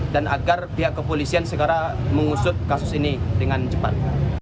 dan agar pihak kepolisian segera mengusut kasus ini dengan cepat